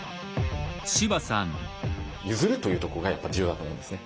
譲るというとこがやっぱ重要だと思うんですね。